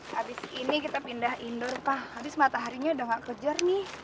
habis ini kita pindah indoor pak habis mataharinya udah gak kejar nih